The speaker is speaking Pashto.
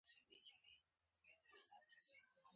سټارشیپ هم نن او سبا کې د سفر ازموینه کوي.